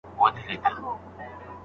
ډاکټر ولي زموږ پاڼه وړاندي کوي؟